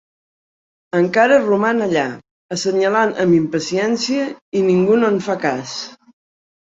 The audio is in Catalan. Escara roman allà, assenyalant amb impaciència, i ningú no en fa cas.